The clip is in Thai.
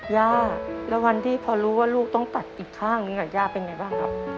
ย่าแล้ววันที่พอรู้ว่าลูกต้องตัดอีกข้างนึงย่าเป็นไงบ้างครับ